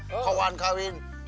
kau mau kawin si neng lain mbe